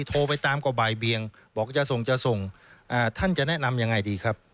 โทรไปตามก็บ่ายเบียงบอกจะส่งจะส่งท่านจะแนะนำยังไงดีครับ